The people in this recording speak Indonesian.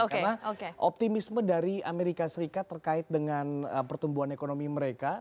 karena optimisme dari amerika serikat terkait dengan pertumbuhan ekonomi mereka